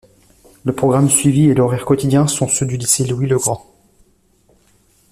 Le programme suivi et l'horaire quotidien sont ceux du lycée Louis-le-Grand.